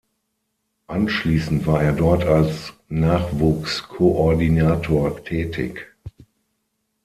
Anschließend war er dort als Nachwuchskoordinator tätig.